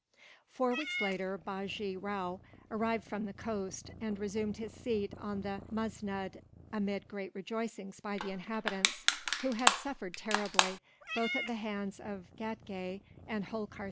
Four weeks later Bajee Rao arrived from the coast, and resumed his seat on the musnud amid great rejoicings by the inhabitants; who had suffered terribly, both at the hands of Ghatgay and Holkar.